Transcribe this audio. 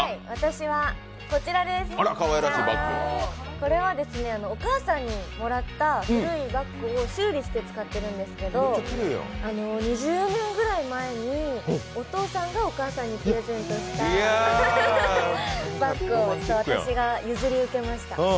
これはお母さんにもらった古いバッグを修理して使ってるんですけど、２０年ぐらい前にお父さんがお母さんにプレゼントしたバッグを私が譲り受けました。